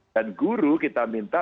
dan guru kita minta